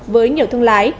với nhiều thương lái